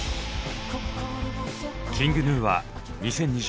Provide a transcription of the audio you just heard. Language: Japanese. ＫｉｎｇＧｎｕは２０２２